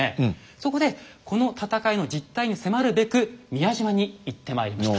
そこでこの戦いの実態に迫るべく宮島に行ってまいりました。